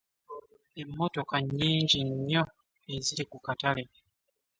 Emmottoka nnnnyingi nnyo eziri ku katale.